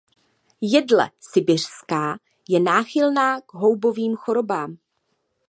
Jedle sibiřská je náchylná k houbovým chorobám.